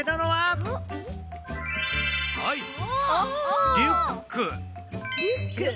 はい。